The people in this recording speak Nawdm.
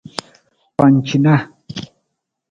Pacinaa.